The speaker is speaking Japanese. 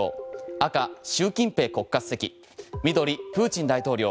赤、習近平国家主席緑、プーチン大統領。